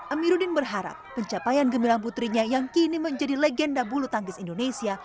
amiruddin berharap pencapaian gemilang putrinya yang kini menjadi legenda bulu tangkis indonesia